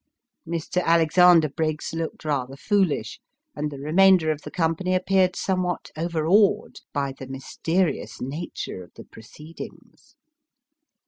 Mr. Alexander Briggs looked rather foolish, and the remainder of the company appeared somewhat over awed by the mysterious nature of the proceedings.